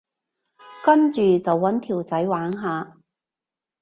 跟住就搵條仔玩下